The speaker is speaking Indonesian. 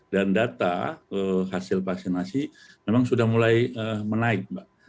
dan data hasil vaksinasi memang sudah mulai menaik mbak